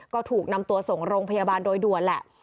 ก็ถูกนำตัวส่งโรงพยาบาลโดยด่วนแหละ